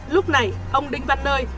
lúc này ông đinh văn nơi